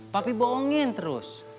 papi bohongin terus